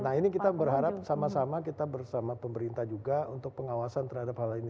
nah ini kita berharap sama sama kita bersama pemerintah juga untuk pengawasan terhadap hal ini